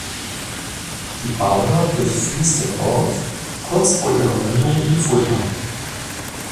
Die Bauna durchfließt den Ort kurz vor ihrer Mündung in die Fulda.